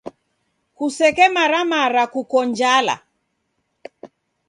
Kusekemara mara kuko njala.